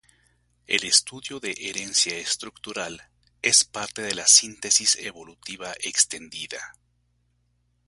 El estudio de herencia estructural, es parte de la síntesis evolutiva extendida.